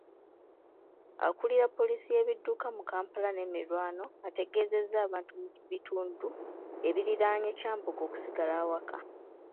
Akulira poliisi y'ebidduka mu Kampala n'emiriraano, ategeezezza abantu mu bitundu ebiriraanye Kyambogo okusigala awaka